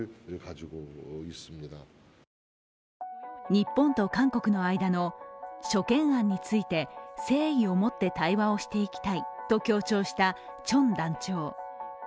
日本と韓国の間の諸懸案について誠意を持って対話をしていきたいと強調したチョン団長。